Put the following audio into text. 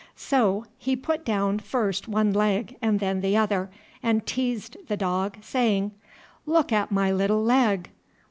So he put down first one leg and then the other, and teased the dog, saying "Look at my little leg.